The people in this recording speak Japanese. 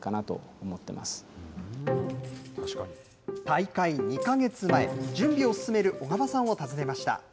大会２か月前、準備を進める緒川さんを訪ねました。